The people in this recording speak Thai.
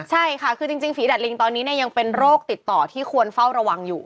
ใช่ค่ะคือจริงฝีดัดลิงตอนนี้ยังเป็นโรคติดต่อที่ควรเฝ้าระวังอยู่